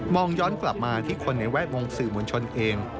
ย้อนกลับมาที่คนในแวดวงสื่อมวลชนเอง